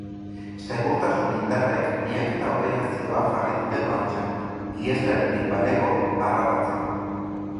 Segurtasun indarrek miaketa operazioa jarri dute martxan, iheslaririk balego, harrapatzeko.